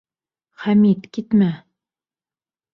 Хәмит, китмә.